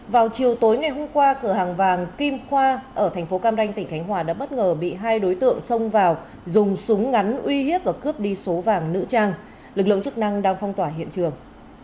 vào chiều tối ngày hôm qua cửa hàng vàng kim khoa ở thành phố cam ranh tỉnh khánh hòa đã bất ngờ bị hai đối tượng xông vào dùng súng ngắn uy hiếp và cướp đi số vàng nữ trang lực lượng chức năng đang phong tỏa hiện trường